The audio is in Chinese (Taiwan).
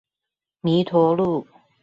彌陀路